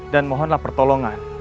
dan mohonlah pertolongan